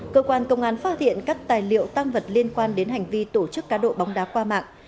cơ quan công an phát hiện các tài liệu tăng vật liên quan đến hành vi tổ chức cá độ bóng đá qua mạng